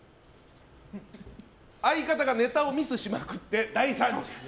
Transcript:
相方がネタをミスしまくって大惨事。